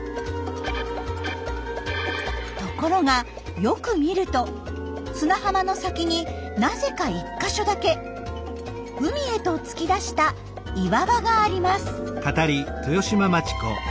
ところがよく見ると砂浜の先になぜか１か所だけ海へと突き出した岩場があります。